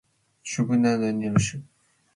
shubu nuntambi niosh